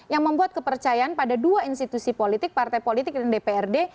yang membuat kepercayaan pada dua institusi politik partai politik dan dprd